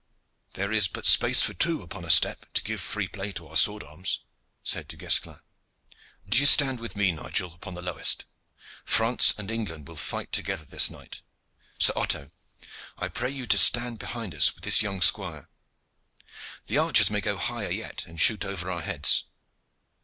"There is but space for two upon a step to give free play to our sword arms," said Du Guesclin. "Do you stand with me, Nigel, upon the lowest. France and England will fight together this night. Sir Otto, I pray you to stand behind us with this young squire. The archers may go higher yet and shoot over our heads.